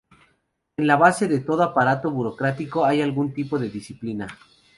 En la base de todo aparato burocrático hay algún tipo de disciplina.